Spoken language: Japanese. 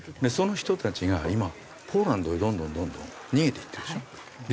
その人たちが今ポーランドへどんどんどんどん逃げていってるでしょ。